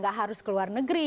ya gak harus keluar negeri